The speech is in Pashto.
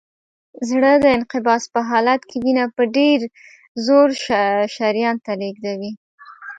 زړه د انقباض په حالت کې وینه په ډېر زور شریان ته لیږدوي.